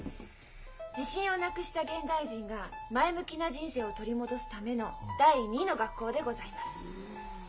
自信をなくした現代人が前向きな人生を取り戻すための第二の学校でございます。